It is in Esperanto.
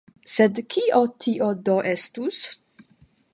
Sed kio tio do estus?